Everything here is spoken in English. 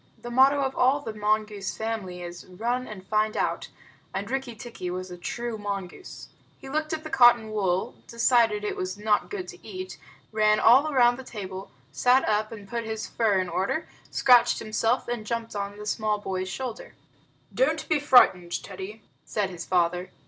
The motto of all the mongoose family is "Run and find out," and Rikki tikki was a true mongoose. He looked at the cotton wool, decided that it was not good to eat, ran all round the table, sat up and put his fur in order, scratched himself, and jumped on the small boy's shoulder. "Don't be frightened, Teddy," said his father.